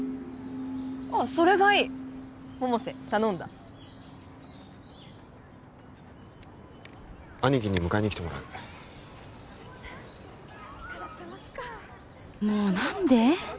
あっそれがいい百瀬頼んだ兄貴に迎えに来てもらうもう何で？